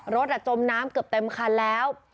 จมน้ำเกือบเต็มคันแล้ว